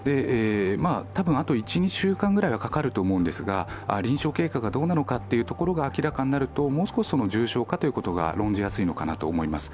多分あと１２週間ぐらいはかかると思うんですが、臨床経過がどうなのかが明らかになるともう少し重症化が論じやすいのかなと思います。